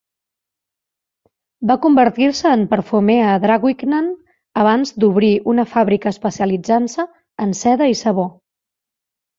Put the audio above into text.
Va convertir-se en perfumer a Draguignan abans d'obrir una fàbrica especialitzant-se en seda i sabó.